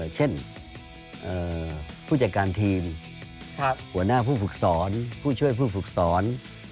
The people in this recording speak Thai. เช่นผู้จัดการทีมหัวหน้าผู้ฝึกสอนผู้ช่วยผู้ฝึกสอน